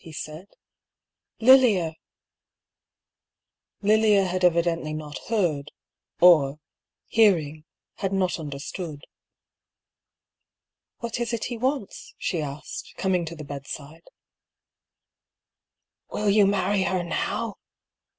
he said. " Lilia !" Lilia had evidently not heard, or hearing, had not understood. "What is it he wants?" she asked, coming to the bedside. "Will you marry her now?"